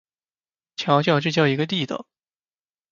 您瞧瞧，这叫一个地道！